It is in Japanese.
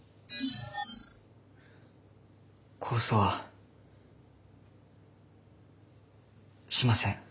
控訴はしません。